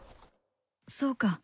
そうか。